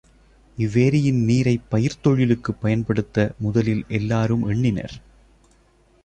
இவ்வேரியின் நீரைப் பயிர்த் தொழிலுக்குப் பயன்படுத்த முதலில் எல்லாரும் எண்ணினர்.